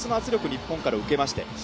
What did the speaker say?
日本から受けまして。